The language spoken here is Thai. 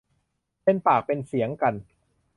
เป็นปากเป็นเสียงกัน